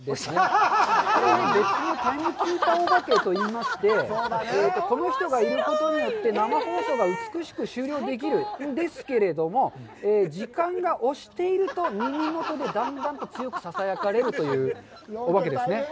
これはタイムキーパーおばけといいまして、この人がいることによって、生放送が美しく終了できるんですけれども、時間がおしていると耳元でだんだんと強くささやかれるというお化けですね。